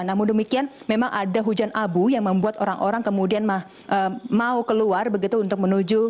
namun demikian memang ada hujan abu yang membuat orang orang kemudian mau keluar begitu untuk menuju